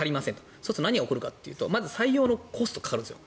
それで何が起こるかというとまず採用のコストがかかるんです。